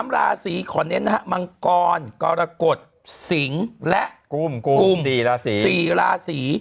๓ราศีขอเน้นนะครับมังกรกอรกฏสิงและกุม๔ราศี